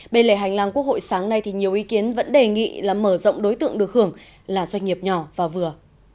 bên lề hành lang quốc hội sáng nay thì nhiều ý kiến vẫn đề nghị là mở rộng đối tượng được hưởng là doanh nghiệp nhỏ và vừa